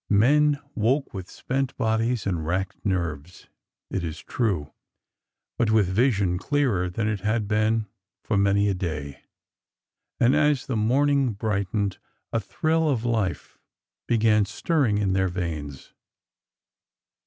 Men woke with spent bodies and racked nerves, it is true, but with vision clearer than it had been for many a day. And as the morning brightened, a thrill of life began stirring in their veins.